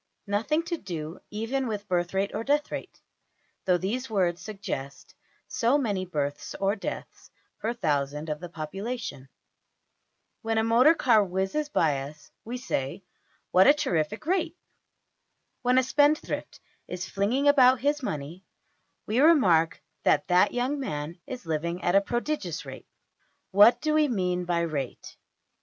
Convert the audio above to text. Nothing to do even with birth rate or death rate, though these words suggest so many births or deaths per thousand of the population. When a motor car whizzes by us, we say: What a terrific rate! When a spendthrift is flinging about his money, we remark that that young man is living at a prodigious rate. \DPPageSep{065.png}% What do we mean by \emph{rate}?